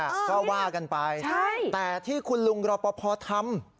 เมลิเตอร์๒ส้าว่ากันไปแต่คุณลุงโรพพอทำ